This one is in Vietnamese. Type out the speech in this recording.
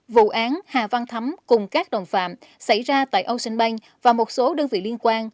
vụ án hà văn thắm cùng các đồng phạm xảy ra tại ocean bank và một số đơn vị liên quan